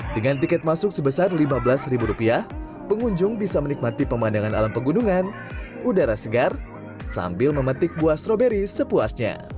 dengan tiket masuk sebesar lima belas rupiah pengunjung bisa menikmati pemandangan alam pegunungan udara segar sambil memetik buah stroberi sepuasnya